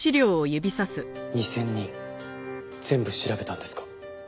２０００人全部調べたんですか？